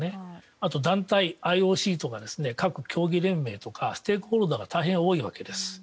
あと団体、ＩＯＣとか各競技連盟とかステークホルダーが大変なわけです。